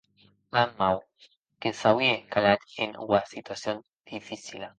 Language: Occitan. Plan mau; que s’auie calat en ua situacion dificila.